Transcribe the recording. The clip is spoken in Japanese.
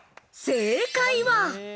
正解は。